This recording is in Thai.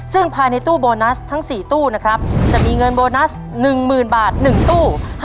ซึ่งภายในตู้โบนัสทั้ง๔ตู้นะครับจะมีเงินโบนัส๑๐๐๐บาท๑ตู้